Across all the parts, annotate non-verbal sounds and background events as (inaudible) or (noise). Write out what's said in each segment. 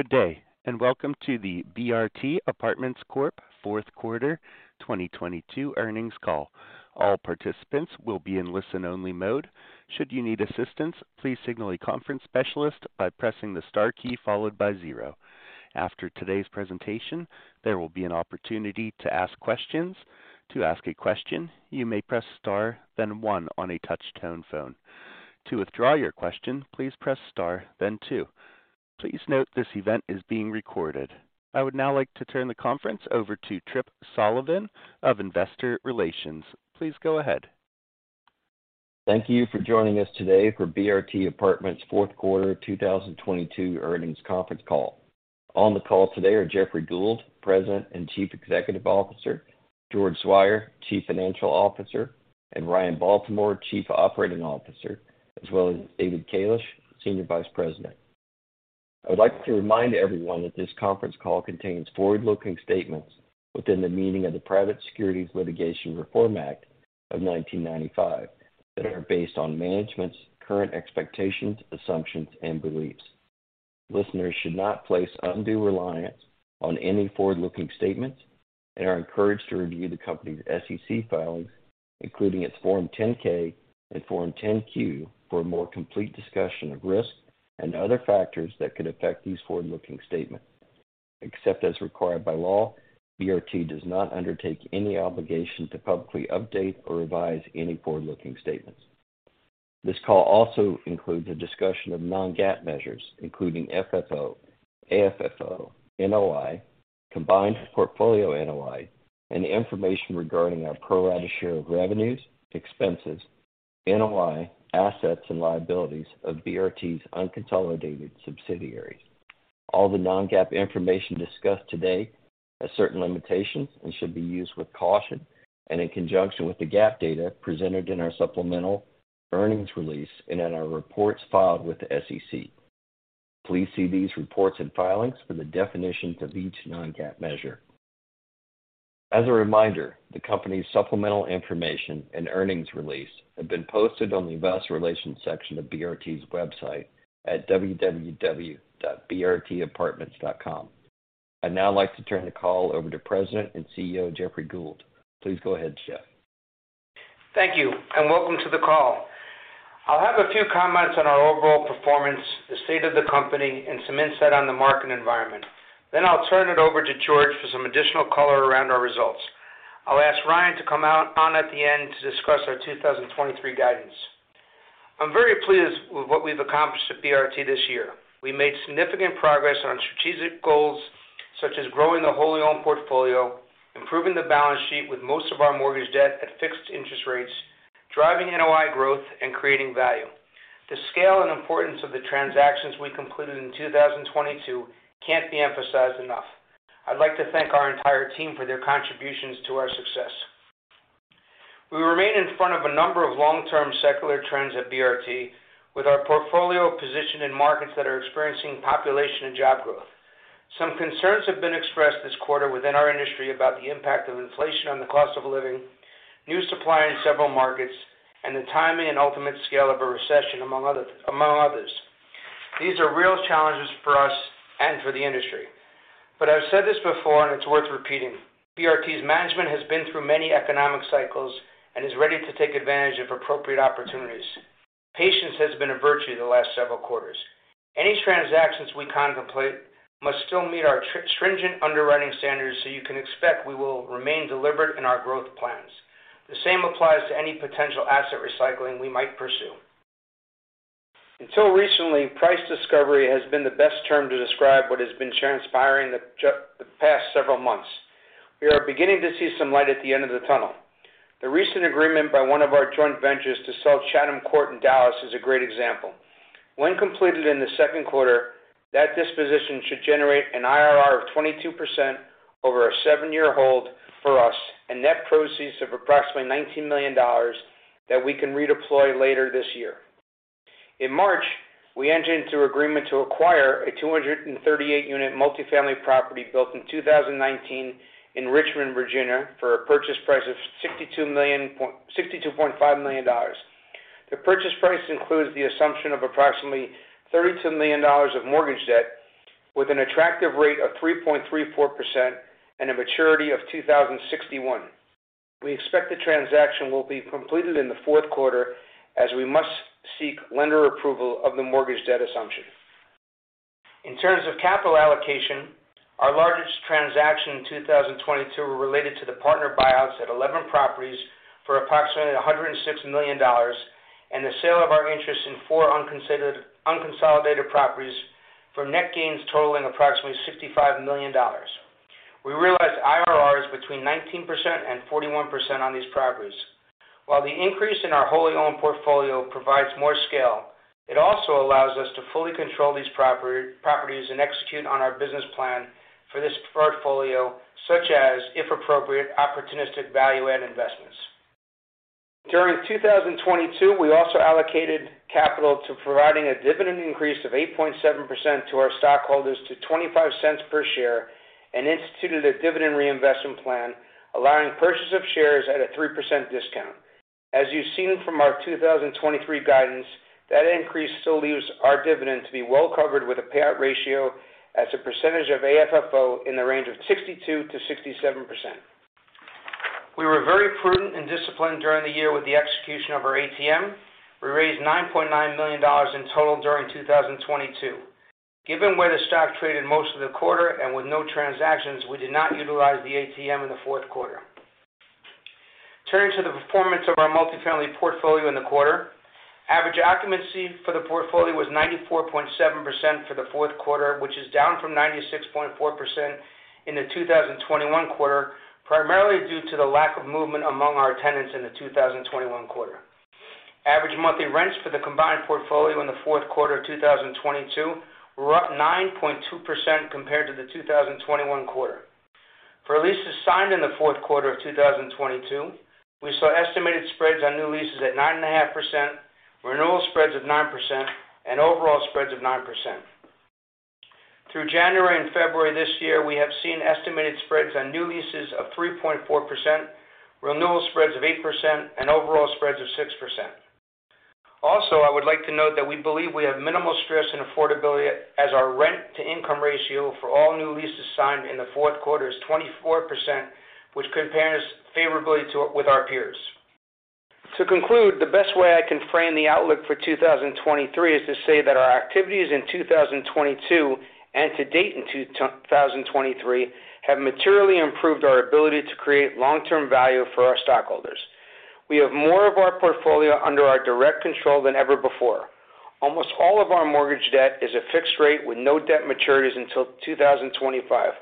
Good day, welcome to the BRT Apartments Corp Fourth Quarter 2022 earnings call. All participants will be in listen-only mode. Should you need assistance, please signal a conference specialist by pressing the star key followed by zero. After today's presentation, there will be an opportunity to ask questions. To ask a question, you may press star, then one on a touch-tone phone. To withdraw your question, please press star, then two. Please note this event is being recorded. I would now like to turn the conference over to Tripp Sullivan of Investor Relations. Please go ahead. Thank you for joining us today for BRT Apartments' Fourth Quarter 2022 earnings conference call. On the call today are Jeffrey Gould, President and Chief Executive Officer, George Zweier, Chief Financial Officer, and Ryan Baltimore, Chief Operating Officer, as well as David Kalish, Senior Vice President. I would like to remind everyone that this conference call contains forward-looking statements within the meaning of the Private Securities Litigation Reform Act of 1995 that are based on management's current expectations, assumptions, and beliefs. Listeners should not place undue reliance on any forward-looking statements and are encouraged to review the company's SEC filings, including its Form 10-K and Form 10-Q for a more complete discussion of risk and other factors that could affect these forward-looking statements. Except as required by law, BRT does not undertake any obligation to publicly update or revise any forward-looking statements. This call also includes a discussion of non-GAAP measures, including FFO, AFFO, NOI, combined portfolio NOI, and information regarding our pro rata share of revenues, expenses, NOI, assets, and liabilities of BRT's unconsolidated subsidiaries. All the non-GAAP information discussed today has certain limitations and should be used with caution and in conjunction with the GAAP data presented in our supplemental earnings release and in our reports filed with the SEC. Please see these reports and filings for the definitions of each non-GAAP measure. As a reminder, the company's supplemental information and earnings release have been posted on the investor relations section of BRT's website at www.brtapartments.com. I'd now like to turn the call over to President and CEO, Jeffrey Gould. Please go ahead, Jeff. Thank you. Welcome to the call. I'll have a few comments on our overall performance, the state of the company, and some insight on the market environment. I'll turn it over to George for some additional color around our results. I'll ask Ryan to come on at the end to discuss our 2023 guidance. I'm very pleased with what we've accomplished at BRT this year. We made significant progress on strategic goals, such as growing the wholly owned portfolio, improving the balance sheet with most of our mortgage debt at fixed interest rates, driving NOI growth, and creating value. The scale and importance of the transactions we completed in 2022 can't be emphasized enough. I'd like to thank our entire team for their contributions to our success. We remain in front of a number of long-term secular trends at BRT with our portfolio positioned in markets that are experiencing population and job growth. Some concerns have been expressed this quarter within our industry about the impact of inflation on the cost of living, new supply in several markets, and the timing and ultimate scale of a recession, among others. These are real challenges for us and for the industry. I've said this before, and it's worth repeating. BRT's management has been through many economic cycles and is ready to take advantage of appropriate opportunities. Patience has been a virtue the last several quarters. Any transactions we contemplate must still meet our tri-stringent underwriting standards, You can expect we will remain deliberate in our growth plans. The same applies to any potential asset recycling we might pursue. Until recently, price discovery has been the best term to describe what has been transpiring the past several months. We are beginning to see some light at the end of the tunnel. The recent agreement by one of our joint ventures to sell Chatham Court in Dallas is a great example. When completed in the second quarter, that disposition should generate an IRR of 22% over a seven-year hold for us and net proceeds of approximately $19 million that we can redeploy later this year. In March, we entered into agreement to acquire a 238-unit multi-family property built in 2019 in Richmond, Virginia, for a purchase price of $62.5 million. The purchase price includes the assumption of approximately $32 million of mortgage debt with an attractive rate of 3.34% and a maturity of 2061. We expect the transaction will be completed in the fourth quarter as we must seek lender approval of the mortgage debt assumption. In terms of capital allocation, our largest transaction in 2022 related to the partner buyouts at 11 properties for approximately $106 million and the sale of our interest in four unconsolidated properties for net gains totaling approximately $65 million. We realized IRRs between 19% and 41% on these properties. While the increase in our wholly owned portfolio provides more scale, it also allows us to fully control these properties and execute on our business plan for this portfolio, such as, if appropriate, opportunistic value add investments. During 2022, we also allocated capital to providing a dividend increase of 8.7% to our stockholders to $0.25 per share and instituted a dividend reinvestment plan allowing purchase of shares at a 3% discount. You've seen from our 2023 guidance, that increase still leaves our dividend to be well covered with a payout ratio as a percentage of AFFO in the range of 62%-67%. We were very prudent and disciplined during the year with the execution of our ATM. We raised $9.9 million in total during 2022. Given where the stock traded most of the quarter, and with no transactions, we did not utilize the ATM in the fourth quarter. Turning to the performance of our multi-family portfolio in the quarter. Average occupancy for the portfolio was 94.7% for the fourth quarter, which is down from 96.4% in the 2021 quarter, primarily due to the lack of movement among our tenants in the 2021 quarter. Average monthly rents for the combined portfolio in the fourth quarter of 2022 were up 9.2% compared to the 2021 quarter. For leases signed in the fourth quarter of 2022, we saw estimated spreads on new leases at 9.5%, renewal spreads of 9%, and overall spreads of 9%. Through January and February this year, we have seen estimated spreads on new leases of 3.4%, renewal spreads of 8%, and overall spreads of 6%. I would like to note that we believe we have minimal stress in affordability as our rent-to-income ratio for all new leases signed in the fourth quarter is 24%, which compares favorably with our peers. To conclude, the best way I can frame the outlook for 2023 is to say that our activities in 2022 and to date in 2023 have materially improved our ability to create long-term value for our stockholders. We have more of our portfolio under our direct control than ever before. Almost all of our mortgage debt is at fixed rate with no debt maturities until 2025.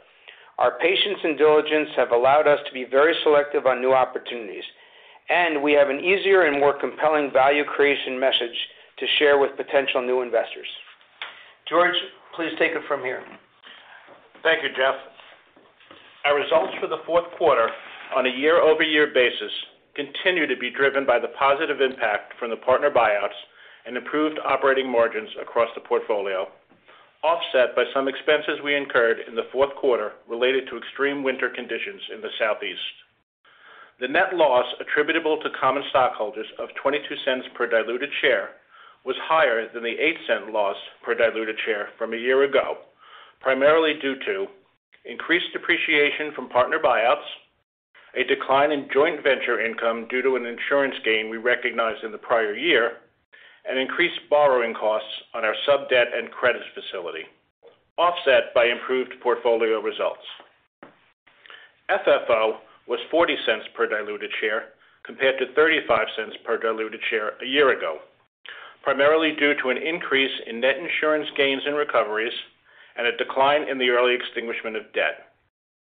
Our patience and diligence have allowed us to be very selective on new opportunities, we have an easier and more compelling value creation message to share with potential new investors. George, please take it from here. Thank you, Jeff. Our results for the fourth quarter on a year-over-year basis continue to be driven by the positive impact from the partner buyouts and improved operating margins across the portfolio, offset by some expenses we incurred in the fourth quarter related to extreme winter conditions in the Southeast. The net loss attributable to common stockholders of $0.22 per diluted share was higher than the $0.08 loss per diluted share from a year ago, primarily due to increased depreciation from partner buyouts, a decline in joint venture income due to an insurance gain we recognized in the prior year, and increased borrowing costs on our sub-debt and credit facility, offset by improved portfolio results. FFO was $0.40 per diluted share compared to $0.35 per diluted share a year ago, primarily due to an increase in net insurance gains and recoveries and a decline in the early extinguishment of debt,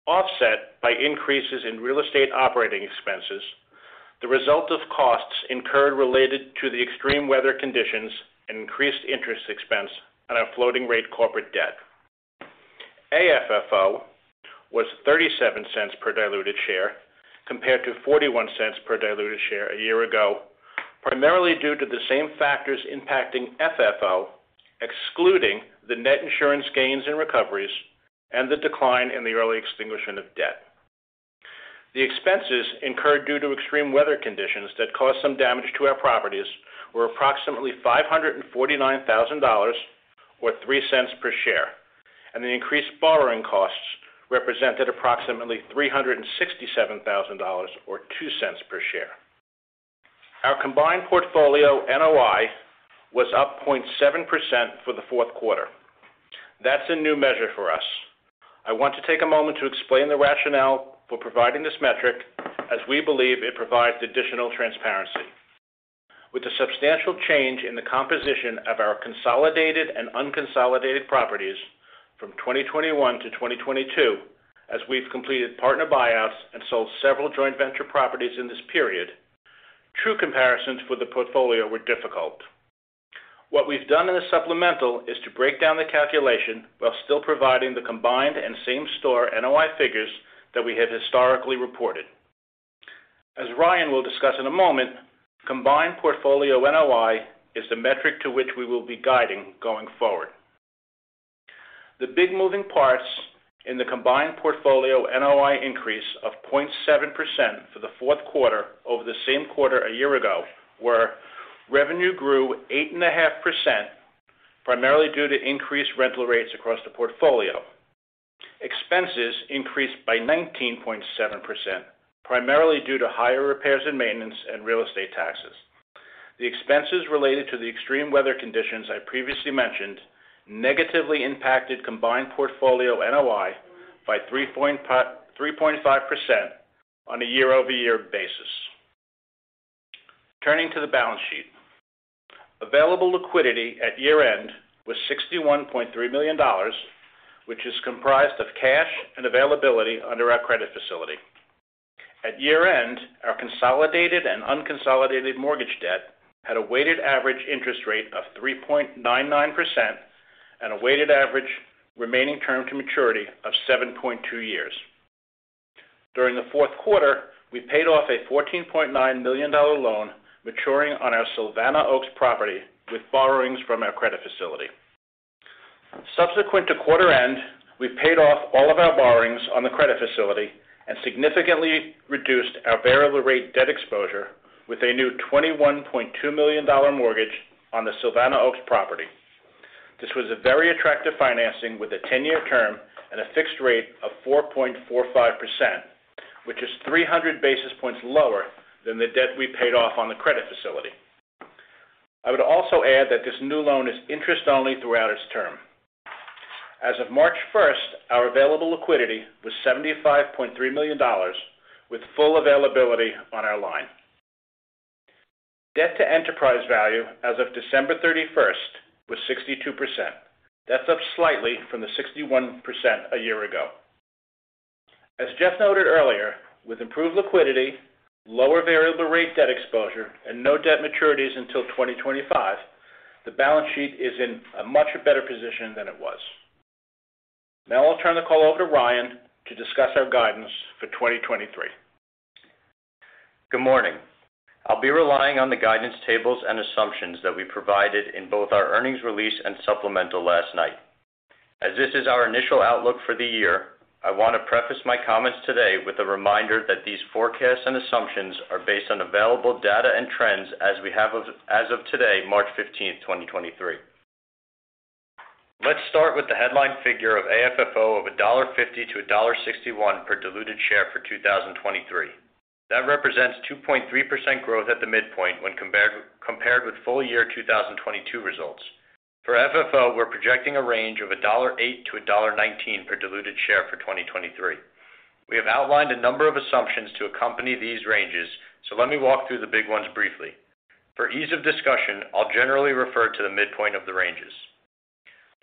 offset by increases in real estate operating expenses, the result of costs incurred related to the extreme weather conditions and increased interest expense on our floating-rate corporate debt. AFFO was $0.37 per diluted share compared to $0.41 per diluted share a year ago, primarily due to the same factors impacting FFO, excluding the net insurance gains and recoveries and the decline in the early extinguishment of debt. The expenses incurred due to extreme weather conditions that caused some damage to our properties were approximately $549,000 or $0.03 per share, and the increased borrowing costs represented approximately $367,000 or $0.02 per share. Our combined portfolio NOI was up 0.7% for the fourth quarter. That's a new measure for us. I want to take a moment to explain the rationale for providing this metric as we believe it provides additional transparency. With the substantial change in the composition of our consolidated and unconsolidated properties from 2021 to 2022, as we've completed partner buyouts and sold several joint venture properties in this period, true comparisons with the portfolio were difficult. What we've done in the supplemental is to break down the calculation while still providing the combined and same-store NOI figures that we have historically reported. As Ryan will discuss in a moment, combined portfolio NOI is the metric to which we will be guiding going forward. The big moving parts in the combined portfolio NOI increase of 0.7% for the fourth quarter over the same quarter a year ago were revenue grew 8.5%, primarily due to increased rental rates across the portfolio. Expenses increased by 19.7%, primarily due to higher repairs and maintenance and real estate taxes. The expenses related to the extreme weather conditions I previously mentioned negatively impacted combined portfolio NOI by 3.5% on a year-over-year basis. Turning to the balance sheet. Available liquidity at year-end was $61.3 million, which is comprised of cash and availability under our credit facility. At year-end, our consolidated and unconsolidated mortgage debt had a weighted average interest rate of 3.99% and a weighted average remaining term to maturity of 7.2 years. During the fourth quarter, we paid off a $14.9 million loan maturing on our Savannah Oaks property with borrowings from our credit facility. Subsequent to quarter end, we've paid off all of our borrowings on the credit facility and significantly reduced our variable rate debt exposure with a new $21.2 million mortgage on the Savannah Oaks property. This was a very attractive financing with a 10-year term and a fixed rate of 4.45%, which is 300 basis points lower than the debt we paid off on the credit facility. I would also add that this new loan is interest only throughout its term. As of March 1st, our available liquidity was $75.3 million with full availability on our line. Debt to enterprise value as of December 31st was 62%. That's up slightly from the 61% a year ago. As Jeff noted earlier, with improved liquidity, lower variable rate debt exposure, and no debt maturities until 2025, the balance sheet is in a much better position than it was. I'll turn the call over to Ryan to discuss our guidance for 2023. Good morning. I'll be relying on the guidance tables and assumptions that we provided in both our earnings release and supplemental last night. As this is our initial outlook for the year, I want to preface my comments today with a reminder that these forecasts and assumptions are based on available data and trends as of today, March 15, 2023. Let's start with the headline figure of AFFO of $1.50-$1.61 per diluted share for 2023. That represents 2.3% growth at the midpoint when compared with full year 2022 results. For FFO, we're projecting a range of $1.08-$1.19 per diluted share for 2023. We have outlined a number of assumptions to accompany these ranges, so let me walk through the big ones briefly. For ease of discussion, I'll generally refer to the midpoint of the ranges.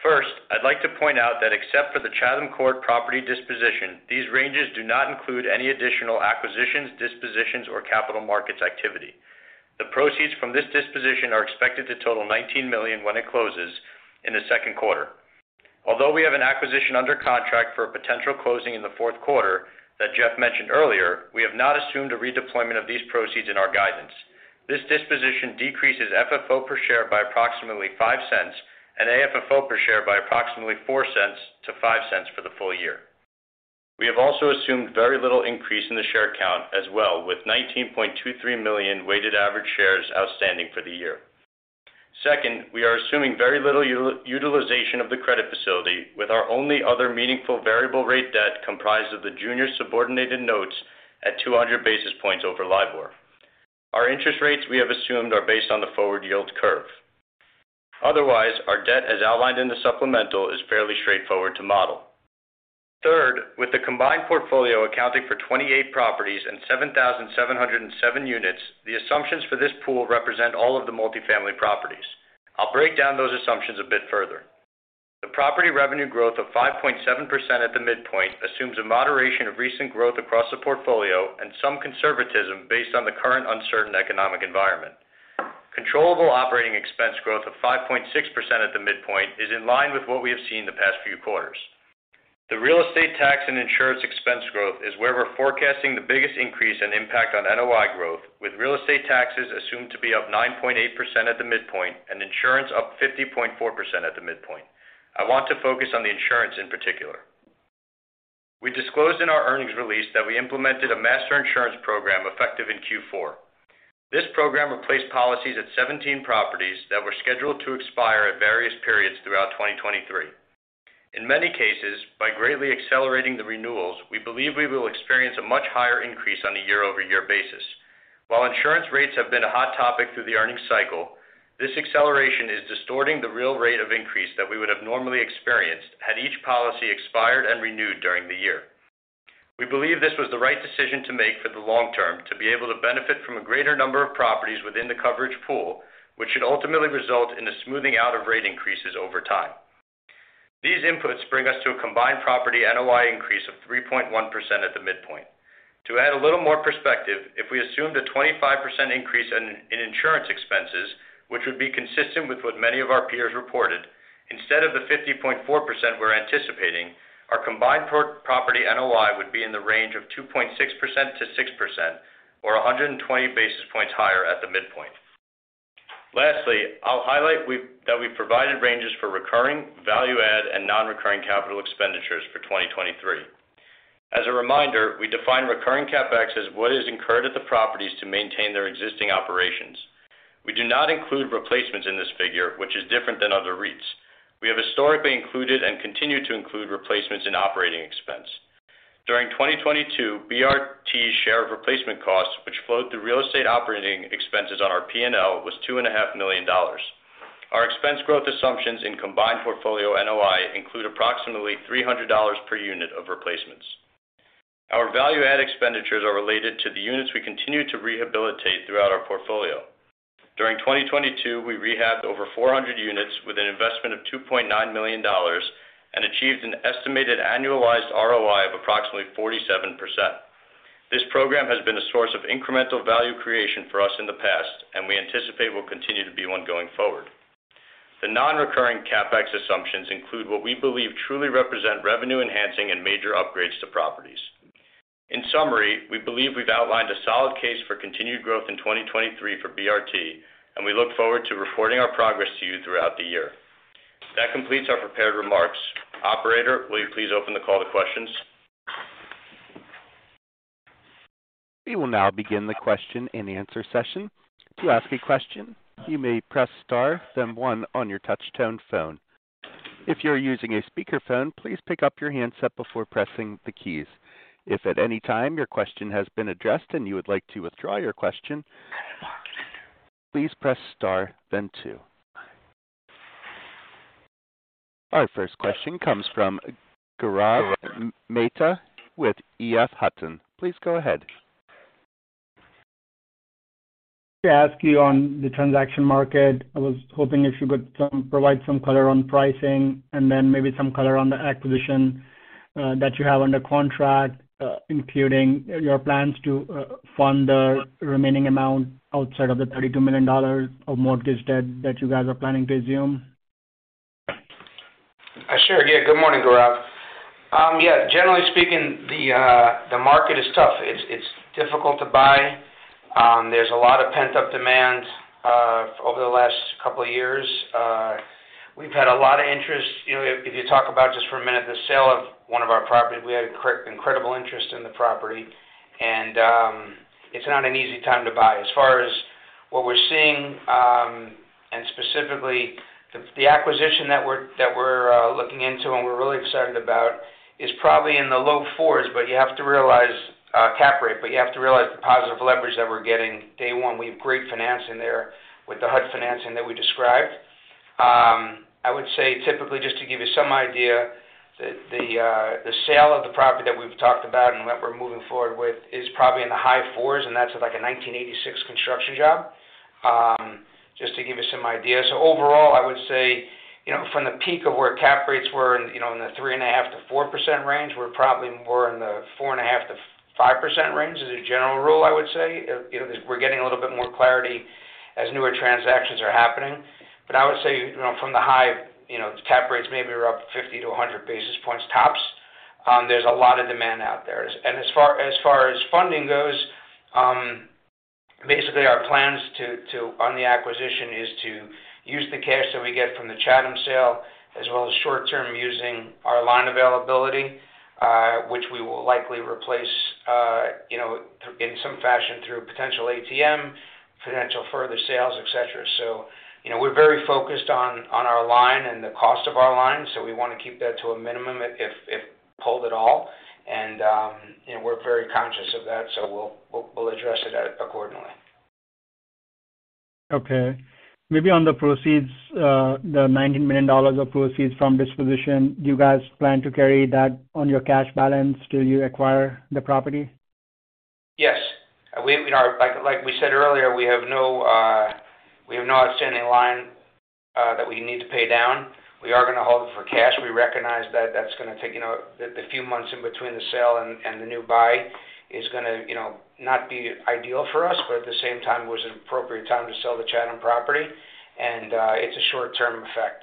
First, I'd like to point out that except for the Chatham Court property disposition, these ranges do not include any additional acquisitions, dispositions, or capital markets activity. The proceeds from this disposition are expected to total $19 million when it closes in the second quarter. Although we have an acquisition under contract for a potential closing in the fourth quarter that Jeff mentioned earlier, we have not assumed a redeployment of these proceeds in our guidance. This disposition decreases FFO per share by approximately $0.05 and AFFO per share by approximately $0.04-$0.05 for the full year. We have also assumed very little increase in the share count as well, with 19.23 million weighted average shares outstanding for the year. Second, we are assuming very little utilization of the credit facility with our only other meaningful variable rate debt comprised of the junior subordinated notes at 200 basis points over LIBOR. Our interest rates we have assumed are based on the forward yield curve. Otherwise, our debt, as outlined in the supplemental, is fairly straightforward to model. Third, with the combined portfolio accounting for 28 properties and 7,707 units, the assumptions for this pool represent all of the multi-family properties. I'll break down those assumptions a bit further. The property revenue growth of 5.7% at the midpoint assumes a moderation of recent growth across the portfolio and some conservatism based on the current uncertain economic environment. Controllable operating expense growth of 5.6% at the midpoint is in line with what we have seen the past few quarters. The real estate tax and insurance expense growth is where we're forecasting the biggest increase in impact on NOI growth, with real estate taxes assumed to be up 9.8% at the midpoint and insurance up 50.4% at the midpoint. I want to focus on the insurance in particular. We disclosed in our earnings release that we implemented a master insurance program effective in Q4. This program replaced policies at 17 properties that were scheduled to expire at various periods throughout 2023. In many cases, by greatly accelerating the renewals, we believe we will experience a much higher increase on a year-over-year basis. While insurance rates have been a hot topic through the earnings cycle, this acceleration is distorting the real rate of increase that we would have normally experienced had each policy expired and renewed during the year. We believe this was the right decision to make for the long term to be able to benefit from a greater number of properties within the coverage pool, which should ultimately result in the smoothing out of rate increases over time. These inputs bring us to a combined property NOI increase of 3.1% at the midpoint. To add a little more perspective, if we assumed a 25% increase in insurance expenses, which would be consistent with what many of our peers reported, instead of the 50.4% we're anticipating, our combined property NOI would be in the range of 2.6%-6% or 120 basis points higher at the midpoint. Lastly, I'll highlight we that we provided ranges for recurring, value add, and non-recurring capital expenditures for 2023. As a reminder, we define recurring CapEx as what is incurred at the properties to maintain their existing operations. We do not include replacements in this figure, which is different than other REITs. We have historically included and continue to include replacements in operating expense. During 2022, BRT's share of replacement costs, which flowed through real estate operating expenses on our P&L, was $2.5 million. Our expense growth assumptions in combined portfolio NOI include approximately $300 per unit of replacements. Our value add expenditures are related to the units we continue to rehabilitate throughout our portfolio. During 2022, we rehabbed over 400 units with an investment of $2.9 million and achieved an estimated annualized ROI of approximately 47%. This program has been a source of incremental value creation for us in the past and we anticipate will continue to be one going forward. The non-recurring CapEx assumptions include what we believe truly represent revenue enhancing and major upgrades to properties. In summary, we believe we've outlined a solid case for continued growth in 2023 for BRT, and we look forward to reporting our progress to you throughout the year. That completes our prepared remarks. Operator, will you please open the call to questions? We will now begin the question-and-answer session. To ask a question, you may press star, then one on your touchtone phone. If you're using a speakerphone, please pick up your handset before pressing the keys. If at any time your question has been addressed and you would like to withdraw your question, please press star then two. Our first question comes from Gaurav Mehta with EF Hutton. Please go ahead. To ask you on the transaction market, I was hoping if you could provide some color on pricing and then maybe some color on the acquisition that you have under contract, including your plans to fund the remaining amount outside of the $32 million of mortgage debt that you guys are planning to assume. Sure. Good morning, Gaurav. Generally speaking, the market is tough. It's difficult to buy. There's a lot of pent-up demand over the last couple of years. We've had a lot of interest. You know, if you talk about just for a minute, the sale of one of our properties, we had incredible interest in the property, and it's not an easy time to buy. As far as what we're seeing, and specifically the acquisition that we're looking into and we're really excited about is probably in the low 4s, but you have to realize cap rate. You have to realize the positive leverage that we're getting day one. We have great financing there with the HUD financing that we described. I would say typically just to give you some idea, the sale of the property that we've talked about and that we're moving forward with is probably in the high 4s, and that's like a 1986 construction job, just to give you some idea. Overall, I would say, from the peak of where cap rates were in the 3.5%-4% range, we're probably more in the 4.5%-5% range as a general rule, I would say. As we're getting a little bit more clarity as newer transactions are happening. I would say, from the high, cap rates maybe are up 50 to 100 basis points tops. There's a lot of demand out there. As far as funding goes, basically our plans to on the acquisition is to use the cash that we get from the Chatham sale as well as short-term using our line availability, which we will likely replace, you know, in some fashion through potential ATM, potential further sales, et cetera. You know, we're very focused on our line and the cost of our line, so we wanna keep that to a minimum if pulled at all. You know, we're very conscious of that, so we'll, we'll address it accordingly. Okay. Maybe on the proceeds, the $19 million of proceeds from disposition, do you guys plan to carry that on your cash balance till you acquire the property? Yes. You know, like we said earlier, we have no, we have no outstanding line that we need to pay down. We are gonna hold it for cash. We recognize that that's gonna take, you know, the few months in between the sale and the new buy is gonna, you know, not be ideal for us, but at the same time it was an appropriate time to sell the Chatham property, and it's a short-term effect.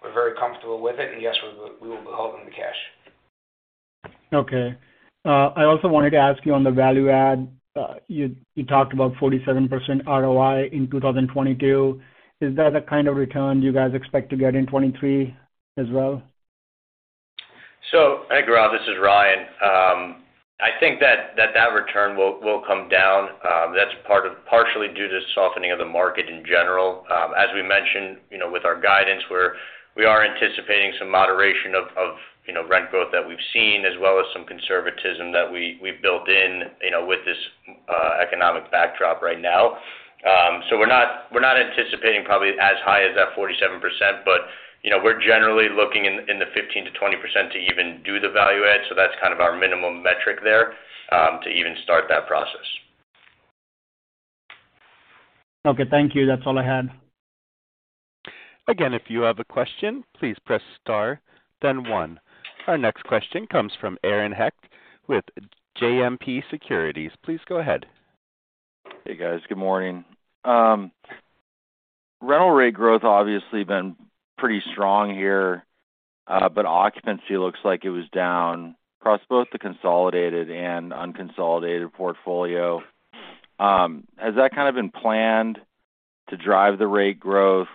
We're very comfortable with it. Yes, we will be holding the cash. Okay. I also wanted to ask you on the value add. You talked about 47% ROI in 2022. Is that the kind of return you guys expect to get in 2023 as well? Hey, Gaurav, this is Ryan. I think that return will come down. That's partially due to softening of the market in general. As we mentioned, you know, with our guidance, we are anticipating some moderation of, you know, rent growth that we've seen, as well as some conservatism that we've built in, you know, with this economic backdrop right now. We're not anticipating probably as high as that 47%, but, you know, we're generally looking in the 15%-20% to even do the value add. That's kind of our minimum metric there to even start that process. Okay. Thank you. That's all I had. Again, if you have a question, please press star then one. Our next question comes from Aaron Hecht with JMP Securities. Please go ahead. Hey, guys. Good morning. Rental rate growth obviously been pretty strong here, but occupancy looks like it was down across both the consolidated and unconsolidated portfolio. Has that kind of been planned to drive the rate growth?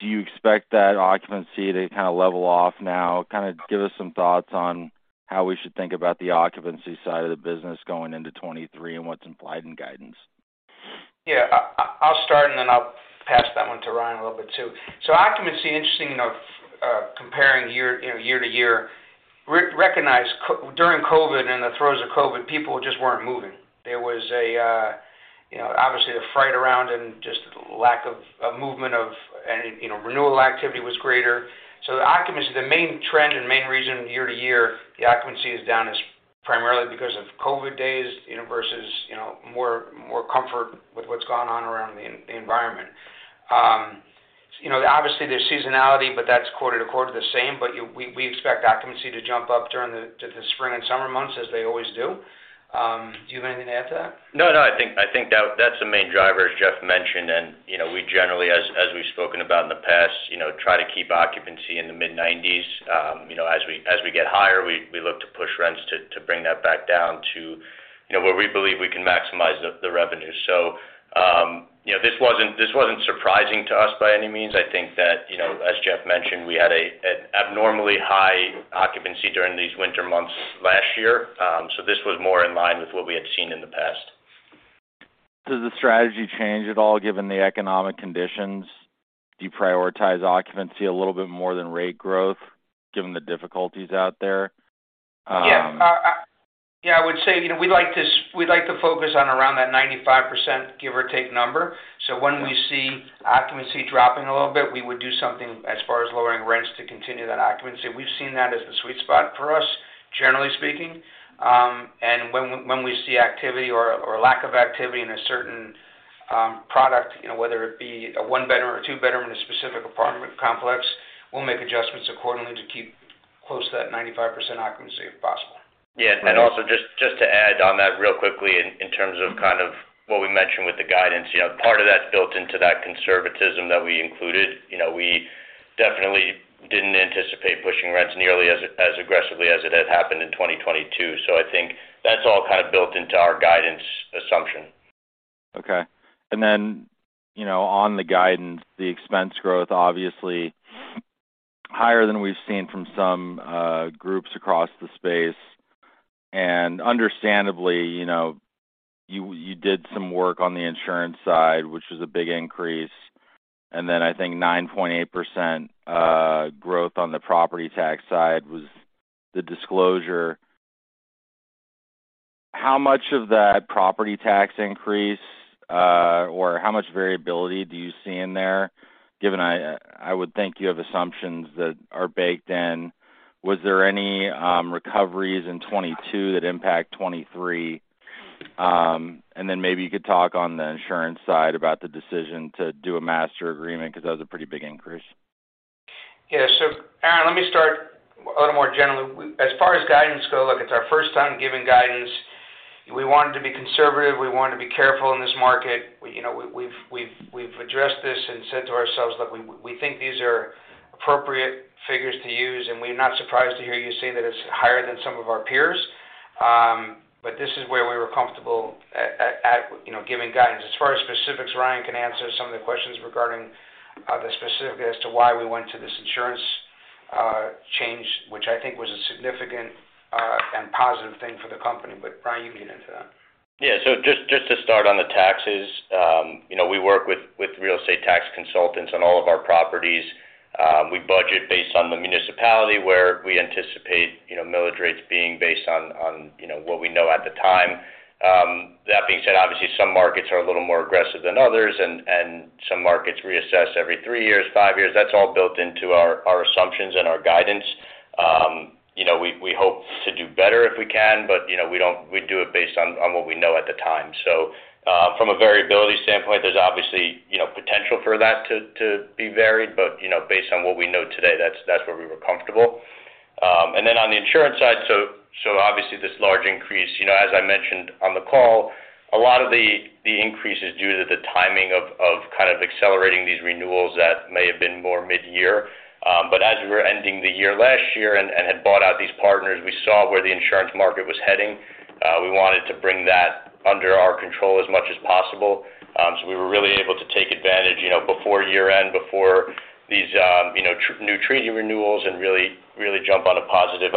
Do you expect that occupancy to kind of level off now? Kind of give us some thoughts on how we should think about the occupancy side of the business going into 2023 and what's implied in guidance. I'll start. I'll pass that one to Ryan a little bit too. Occupancy, interesting of comparing year-to-year. Recognize during COVID and the throes of COVID, people just weren't moving. There was a, you know, obviously the fright around and just lack of movement of any, you know, renewal activity was greater. The occupancy, the main trend and main reason year-to-year the occupancy is down is primarily because of COVID days, you know, versus, you know, more comfort with what's gone on around the environment. You know, obviously there's seasonality, that's quarter-to-quarter the same. We expect occupancy to jump up during the spring and summer months as they always do. Do you have anything to add to that? No, I think that's the main driver, as Jeff mentioned. you know, we generally, as we've spoken about in the past, you know, try to keep occupancy in the mid-90s. you know, as we get higher, we look to push rents to bring that back down to, you know, where we believe we can maximize the revenue. you know, this wasn't surprising to us by any means. I think that, you know, as Jeff mentioned, we had an abnormally high occupancy during these winter months last year. this was more in line with what we had seen in the past. Does the strategy change at all given the economic conditions? Do you prioritize occupancy a little bit more than rate growth given the difficulties out there? Yeah, I would say, you know, we'd like to focus on around that 95%, give or take, number. When we see occupancy dropping a little bit, we would do something as far as lowering rents to continue that occupancy. We've seen that as the sweet spot for us, generally speaking. When we see activity or lack of activity in a certain product, you know, whether it be a one-bedroom or two-bedroom in a specific apartment complex, we'll make adjustments accordingly to keep close to that 95% occupancy if possible. Yeah. (crosstalk) And then- Also just to add on that real quickly in terms of kind of what we mentioned with the guidance. You know, part of that's built into that conservatism that we included. You know, we definitely didn't anticipate pushing rents nearly as aggressively as it had happened in 2022. I think that's all kind of built into our guidance assumption. Okay. Then, you know, on the guidance, the expense growth, obviously higher than we've seen from some groups across the space. Understandably, you know, you did some work on the insurance side, which was a big increase. Then I think 9.8% growth on the property tax side was the disclosure. How much of that property tax increase, or how much variability do you see in there, given I would think you have assumptions that are baked in? Was there any recoveries in 2022 that impact 2023? Then maybe you could talk on the insurance side about the decision to do a master agreement, because that was a pretty big increase. Aaron, let me start a little more generally. As far as guidance go, look, it's our first time giving guidance. We wanted to be conservative. We wanted to be careful in this market. We, you know, we've addressed this and said to ourselves, look, we think these are appropriate figures to use, and we're not surprised to hear you say that it's higher than some of our peers. This is where we were comfortable at, you know, giving guidance. As far as specifics, Ryan can answer some of the questions regarding the specifics as to why we went to this insurance change, which I think was a significant and positive thing for the company. Ryan, you can get into that. Yeah. Just to start on the taxes, you know, we work with real estate tax consultants on all of our properties. We budget based on the municipality where we anticipate, you know, millage rates being based on, you know, what we know at the time. That being said, obviously, some markets are a little more aggressive than others and some markets reassess every three years, five years. That's all built into our assumptions and our guidance. You know, we hope to do better if we can, but, you know, we do it based on what we know at the time. From a variability standpoint, there's obviously, you know, potential for that to be varied. You know, based on what we know today, that's where we were comfortable. On the insurance side, so obviously this large increase, you know, as I mentioned on the call, a lot of the increase is due to the timing of kind of accelerating these renewals that may have been more mid-year. As we were ending the year last year and had bought out these partners, we saw where the insurance market was heading. We wanted to bring that under our control as much as possible. We were really able to take advantage, you know, before year-end, before these, you know, new treaty renewals and really jump on a positive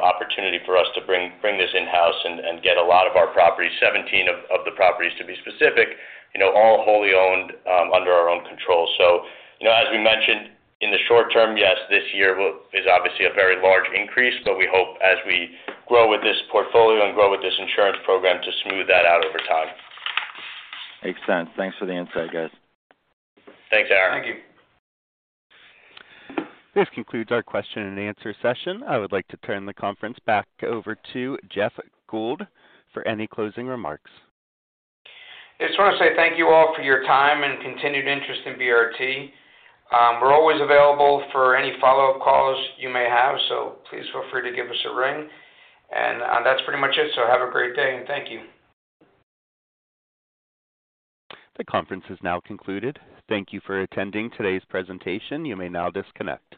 opportunity for us to bring this in-house and get a lot of our properties, 17 of the properties to be specific, you know, all wholly owned, under our own control. you know, as we mentioned, in the short term, yes, this year is obviously a very large increase, but we hope as we grow with this portfolio and grow with this insurance program to smooth that out over time. Makes sense. Thanks for the insight, guys. Thanks, Aaron. Thank you. This concludes our question and answer session. I would like to turn the conference back over to Jeff Gould for any closing remarks. I just wanna say thank you all for your time and continued interest in BRT. We're always available for any follow-up calls you may have, so please feel free to give us a ring. That's pretty much it, so have a great day, and thank you. The conference is now concluded. Thank you for attending today's presentation. You may now disconnect.